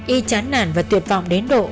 y chán nản và tuyệt vọng đến độ